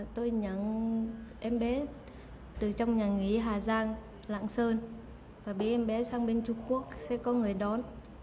tôi em bé từ trong nhà nghỉ hà giang lạng sơn và bé em bé sang bên trung quốc sẽ có người đón